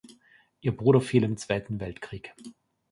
Ihr Bruder fiel im Zweiten Weltkrieg.